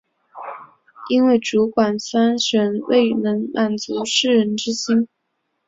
因为主管铨选未能满足士人之心。